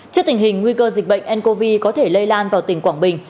trước tình hình nguy cơ dịch bệnh ncov có thể lây lan vào tỉnh quảng bình